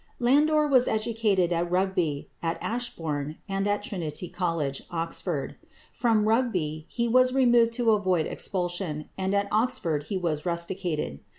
Landor was educated at Rugby, at Ashbourne, and at Trinity College, Oxford. From Rugby he was removed to avoid expulsion, and at Oxford he was rusticated.